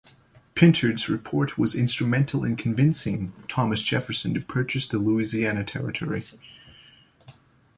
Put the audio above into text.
Pintard's report was instrumental in convincing Thomas Jefferson to purchase the Louisiana Territory.